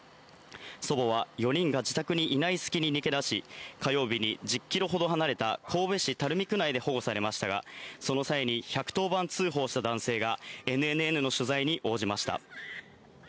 祖母は４人が自宅にいない隙に逃げ出し、火曜日に１０キロほど離れた神戸市垂水区内で保護されましたが、その際に１１０番通報した男性が、ＮＮＮの取材に応じました。